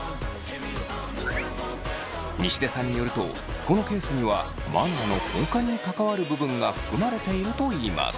西出さんによるとこのケースにはマナーの根幹に関わる部分が含まれているといいます。